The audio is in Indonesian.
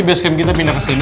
bisa kita pindah kesini